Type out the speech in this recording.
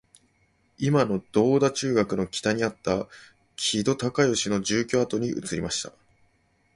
いまの銅駝中学の北にあった木戸孝允の住居跡に移りました